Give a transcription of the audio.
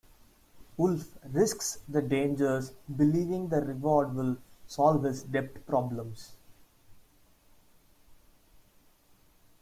Wolff risks the dangers believing the reward will solve his debt problems.